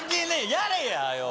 やれやはよ